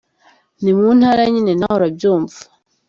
Ni mu ntara nyine na we urabyumva.